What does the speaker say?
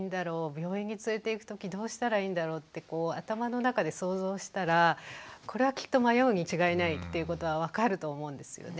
病院に連れていくときどうしたらいいんだろう？って頭の中で想像したらこれはきっと迷うに違いないっていうことは分かると思うんですよね。